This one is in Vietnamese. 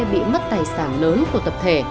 bị mất tài sản lớn của tập thể